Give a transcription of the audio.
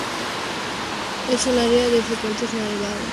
Es un área de frecuentes nevadas pesadas, inhóspito a la vegetación.